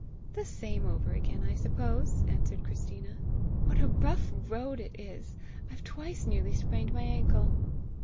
"The same over again, I suppose!" answered Christina. "What a rough road it is! I've twice nearly sprained my ankle!"